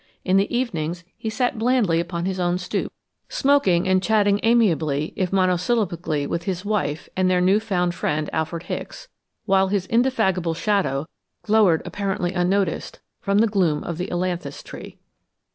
In the evenings he sat blandly upon his own stoop, smoking and chatting amiably if monosyllabically with his wife and their new found friend, Alfred Hicks, while his indefatigable shadow glowered apparently unnoticed from the gloom of the ailanthus tree.